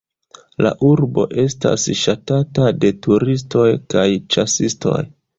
La urbo estas ŝatata de turistoj kaj ĉasistoj.